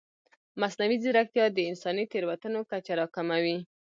مصنوعي ځیرکتیا د انساني تېروتنو کچه راکموي.